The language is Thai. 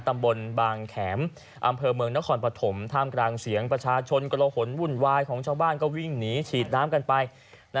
ตำบลบางแข็มอำเภอเมืองนครปฐมท่ามกลางเสียงประชาชนกรหนวุ่นวายของชาวบ้านก็วิ่งหนีฉีดน้ำกันไป